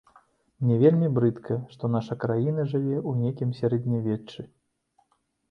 Мне вельмі брыдка, што наша краіна жыве ў нейкім сярэднявеччы.